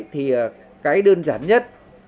thì cái đơn giản nhất